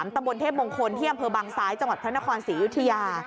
ตำบลเทพมงคลที่อำเภอบางซ้ายจังหวัดพระนครศรีอยุธยา